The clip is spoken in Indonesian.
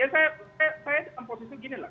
saya posisi ginilah